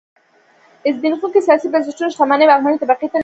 زبېښونکي سیاسي بنسټونه شتمنۍ واکمنې طبقې ته لېږدوي.